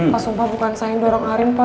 pak sumpah bukan saya dorong arin pak